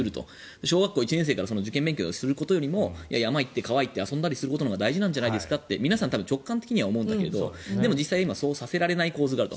小学校１年生から受験勉強するより山や川に行って遊んだりすることが大事なんじゃないですかって皆さん直感的にはそう思うんですがでも実際、今はそうさせられない構図があると。